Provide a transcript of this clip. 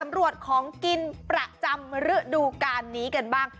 รวดของกินประจำฤดูการนี้กันบ้าง